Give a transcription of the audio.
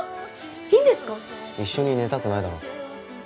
いいんですか一緒に寝たくないだろ